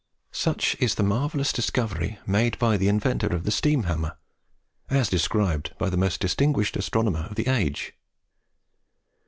Such is the marvellous discovery made by the inventor of the steam hammer, as described by the most distinguished astronomer of the age.